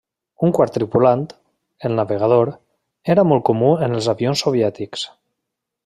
Un quart tripulant, el navegador, era molt comú en els avions soviètics.